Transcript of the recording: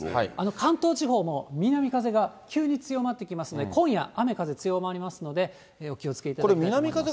関東地方も南風が急に強まってきますんで、今夜、雨風強まりますので、お気をつけいただきたいと思います。